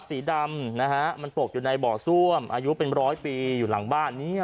สีดำนะฮะมันตกอยู่ในบ่อซ่วมอายุเป็นร้อยปีอยู่หลังบ้านเนี่ย